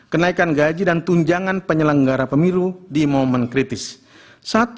kenaikan gaji dan tunjangan penyelenggara pemilu di momen kritis